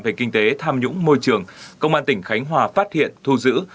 về kinh tế tham nhũng môi trường công an tỉnh khánh hòa phát hiện thu giữ